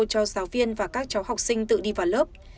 cho giáo viên và các cháu học sinh tự đi vào lớp